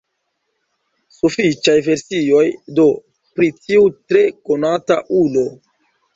Sufiĉaj versioj do pri tiu tre konata ulo.